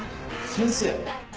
先生。